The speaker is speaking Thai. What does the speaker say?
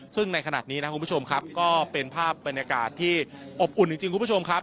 ซึ่งในขณะนี้นะครับคุณผู้ชมครับก็เป็นภาพบรรยากาศที่อบอุ่นจริงคุณผู้ชมครับ